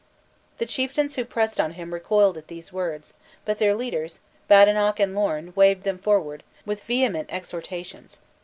The chieftains who pressed on him recoiled at these words, but their leaders, Badenoch and Lorn, waved them forward, with vehement exhortations.